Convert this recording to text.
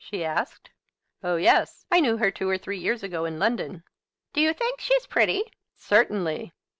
she asked. "Oh, yes; I knew her two or three years ago in London." "Do you think she is pretty?" "Certainly."